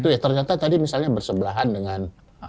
ya ternyata tadi misalnya bersebelahan dengan